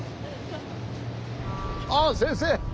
あっ先生！